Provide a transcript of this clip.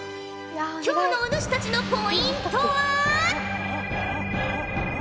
今日のお主たちのポイントは。